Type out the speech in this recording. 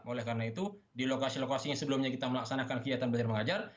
oleh karena itu di lokasi lokasi yang sebelumnya kita melaksanakan kegiatan belajar mengajar